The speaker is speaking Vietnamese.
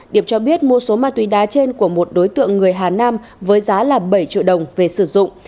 điệp cho biết mua số ma túy đá trên của một đối tượng người hà nam với giá là bảy triệu đồng về sử dụng